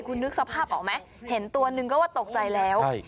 คุณนึกสภาพออกไหมเห็นตัวหนึ่งก็ว่าตกใจแล้ว